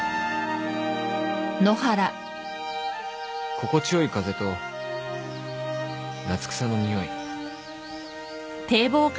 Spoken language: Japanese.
心地よい風と夏草の匂い